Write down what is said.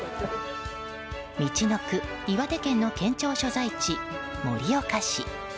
みちのく・岩手県の県庁所在地盛岡市。